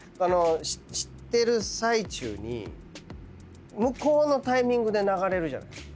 してる最中に向こうのタイミングで流れるじゃないですか。